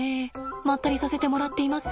まったりさせてもらっています。